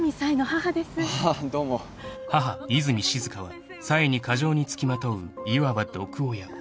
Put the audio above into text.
［母和泉静は冴に過剰に付きまとういわば毒親］